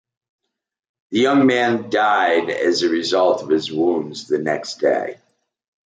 The young man died as a result of his wounds the next day.